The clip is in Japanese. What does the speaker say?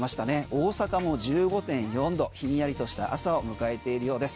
大阪も１５．４度ひんやりとした朝を迎えているようです。